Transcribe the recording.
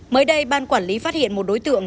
mới đây ban quản lý phát hiện một đối tượng